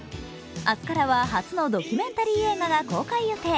明日からは初のドキュメンタリー映画が公開予定。